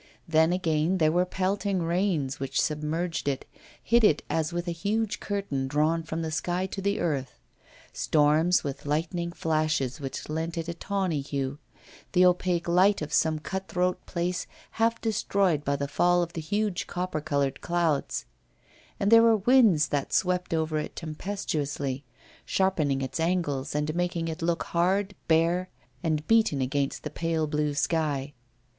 Then, again, there were pelting rains, which submerged it, hid it as with a huge curtain drawn from the sky to the earth; storms, with lightning flashes which lent it a tawny hue, the opaque light of some cut throat place half destroyed by the fall of the huge copper coloured clouds; and there were winds that swept over it tempestuously, sharpening its angles and making it look hard, bare, and beaten against the pale blue sky.